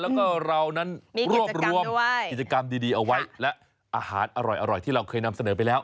แล้วก็เรานั้นรวบรวมกิจกรรมดีเอาไว้และอาหารอร่อยที่เราเคยนำเสนอไปแล้ว